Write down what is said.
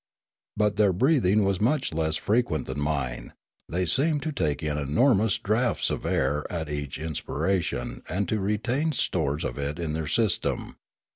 But their breathing was much less frequent than mine; they seemed to take in enormous draughts of air at each inspiration and to retain stores of it in their system.